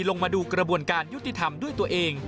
ลงมาดูกระบวนการยุติธรรมด้วยตัวเอง